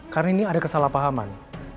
karena ini ada kesalahpahaman